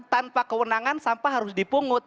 tanpa kewenangan sampah harus dipungut